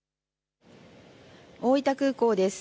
大分空港です。